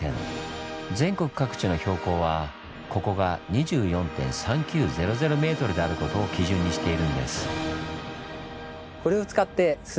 全国各地の標高はここが２４．３９００ｍであることを基準にしているんです。